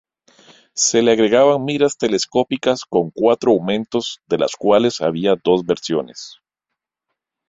Se le agregaban miras telescópicas con cuatro aumentos, de las cuales había dos versiones.